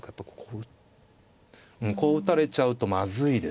うんこう打たれちゃうとまずいですね。